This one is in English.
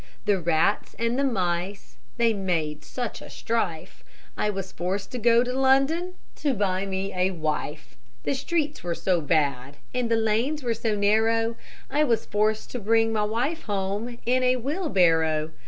The rats and the mice They made such a strife, I was forced to go to London To buy me a wife. The streets were so bad, And the lanes were so narrow, I was forced to bring my wife home In a wheelbarrow.